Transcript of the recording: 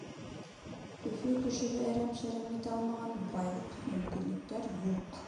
Өфө кешеһе әрәм-шәрәм итә алмаған байлыҡ һәм мөмкинлектәр юҡ.